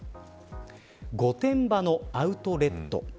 御殿場のアウトレット。